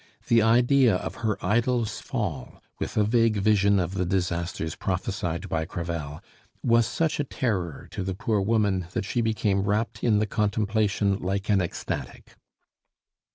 The idea of her idol's fall, with a vague vision of the disasters prophesied by Crevel, was such a terror to the poor woman, that she became rapt in the contemplation like an ecstatic.